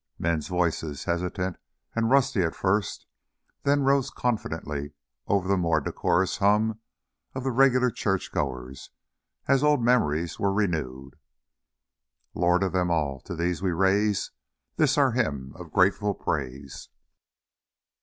Men's voices, hesitant and rusty at first, then rose confidently over the more decorous hum of the regular church goers as old memories were renewed. "Lord of all, to Thee we raise This our Hymn of grateful praise."